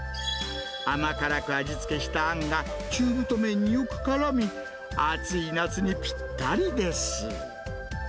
甘辛く味付けしたあんが中太麺によくからみ、暑い夏にぴったりです。